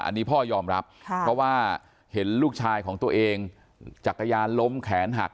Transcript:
อันนี้พ่อยอมรับเพราะว่าเห็นลูกชายของตัวเองจักรยานล้มแขนหัก